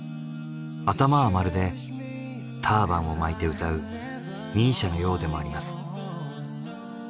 頭はまるでターバンを巻いて歌うＭＩＳＩＡのようでもあります。